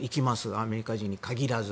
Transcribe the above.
アメリカ人に限らず。